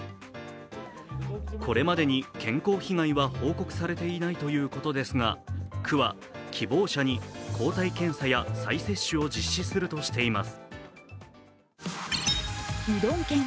これまでに健康被害は報告されていないということですが区は希望者に抗体検査や再接種を実施するとしています。